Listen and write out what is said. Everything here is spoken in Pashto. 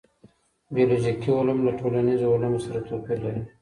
بیولوژيکي علوم له ټولنیزو علومو سره توپیر لري.